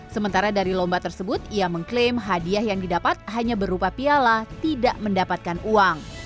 sementara dari lomba tersebut ia mengklaim hadiah yang didapat hanya berupa piala tidak mendapatkan uang